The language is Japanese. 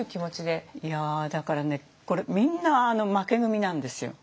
だからねこれみんな負け組なんですよ。